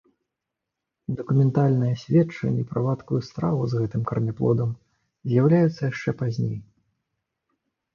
Дакументальныя сведчанні пра вадкую страву з гэтым караняплодам з'яўляюцца яшчэ пазней.